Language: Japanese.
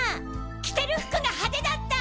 着てる服がハデだった！